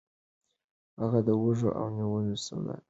هغه د وږو او نینو سوداګري کوله.